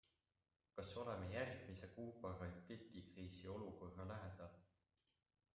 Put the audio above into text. Kas oleme järgmise Kuuba raketikriisi olukorra lähedal?